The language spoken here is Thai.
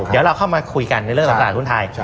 เดี๋ยวเราเข้ามาคุยกันในเรื่องของตลาดหุ้นไทย